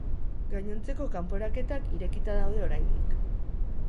Gainontzeko kanporaketak irekita daude oraindik.